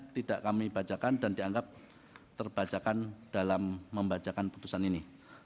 tidak kami bacakan dalam pembacaan putusan ini